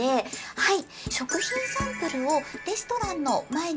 はい！